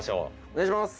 お願いします！